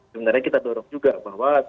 sebenarnya kita dorong juga bahwa